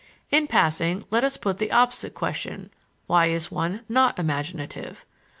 In passing, let us put the opposite question, Why is one not imaginative?